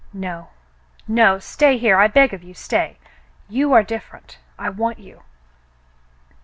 No, no. Stay here, I beg of you, stay. You are different. I want you."